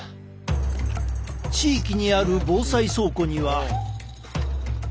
地域にある防災倉庫には。